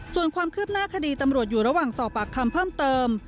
ส่วนความคืบหน้าคดีตำรวจอยู่ระหว่างสอบปากคำเพิ่มเติม